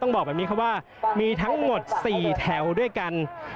บอกแบบนี้ครับว่ามีทั้งหมด๔แถวด้วยกัน